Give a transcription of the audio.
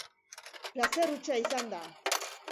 Plazer hutsa izan da.